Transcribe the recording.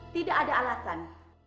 tidak ada alasan